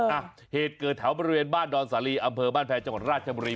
อ่ะเหตุเกิดแถวบริเวณบ้านดอนสาลีอำเภอบ้านแพรจังหวัดราชบุรี